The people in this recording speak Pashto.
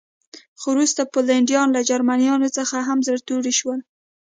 خو وروسته پولنډیان له جرمنانو څخه هم زړه توري شول